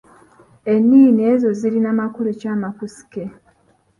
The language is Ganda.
Ennini ezo zirina makulu ki amakusike?